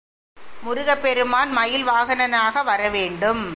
முருகப் பெருமான் மயில் வாகனனாக வர வேண்டும்.